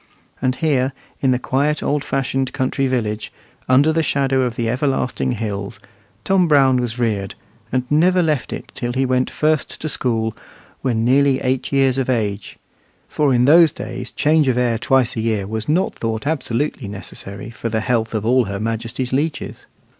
And here, in the quiet old fashioned country village, under the shadow of the everlasting hills, Tom Brown was reared, and never left it till he went first to school, when nearly eight years of age, for in those days change of air twice a year was not thought absolutely necessary for the health of all her Majesty's lieges.